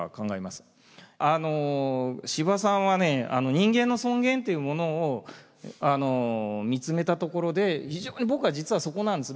人間の尊厳というものを見つめたところで非常に僕は実はそこなんです。